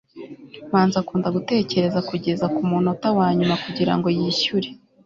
manzi akunda gutegereza kugeza kumunota wanyuma kugirango yishyure